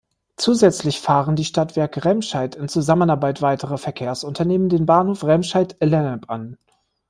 Zusätzlich fahren die Stadtwerke Remscheid in Zusammenarbeit weiterer Verkehrsunternehmen den Bahnhof Remscheid-Lennep an.